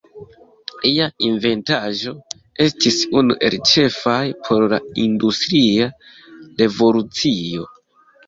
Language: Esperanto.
Lia inventaĵo estis unu el ĉefaj por la Industria Revolucio.